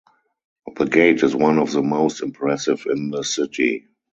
The gate is one of the most impressive in the city.